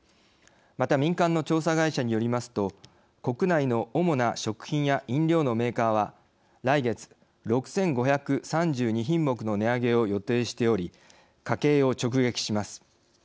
また民間の調査会社によりますと国内の主な食品や飲料のメーカーは来月６，５３２品目の値上げを予定しており家計を直撃します。